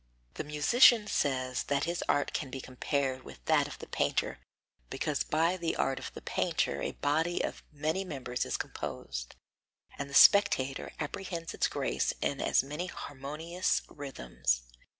The musician says that his art can be compared with that of the painter because by the art of the painter a body of many members is composed, and the spectator apprehends its grace in as many harmonious rhythms